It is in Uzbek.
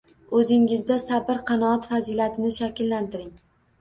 O‘zingizda sabr-qanoat fazilatini shakllantiring.